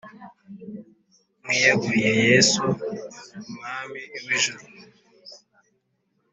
mwiyegurire yesu, umwami w'ijuru.